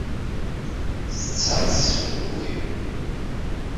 Сцарц сҩагылеит.